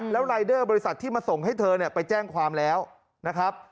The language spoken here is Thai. แล้วรายเดอร์บริษัทที่มาส่งให้เธอเนี่ยไปแจ้งความแล้วนะครับ